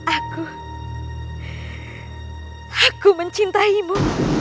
aku aku mencintaimu